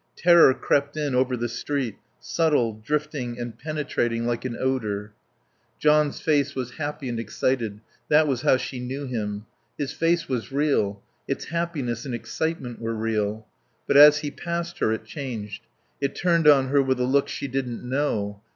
Terror crept in over the street, subtle, drifting and penetrating like an odour. John's face was happy and excited; that was how she knew him. His face was real, its happiness and excitement were real. But as he passed her it changed; it turned on her with a look she didn't know.